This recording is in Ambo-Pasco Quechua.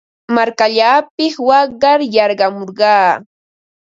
Markallaapiq waqar yarqamurqaa.